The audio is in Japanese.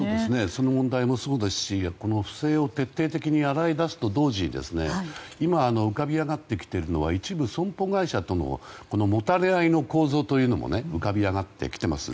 その問題もそうですしこの不正を徹底的に洗い出すと同時に今、浮かび上がってきているのは一部損保会社とのもたれ合いの構造というのも浮かび上がってきています。